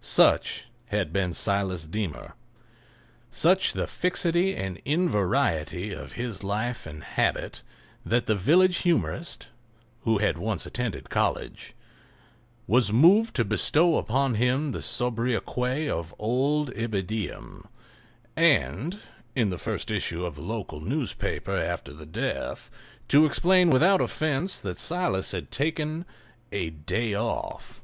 Such had been Silas Deemer—such the fixity and invariety of his life and habit, that the village humorist (who had once attended college) was moved to bestow upon him the sobriquet of "Old Ibidem," and, in the first issue of the local newspaper after the death, to explain without offence that Silas had taken "a day off."